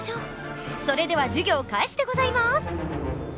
それでは授業開始でございます。